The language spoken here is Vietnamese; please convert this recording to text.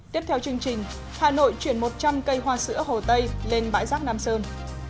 tiếp theo chương trình hà nội chuyển một trăm linh cây hoa sữa hồ tây lên bãi rác nam sơn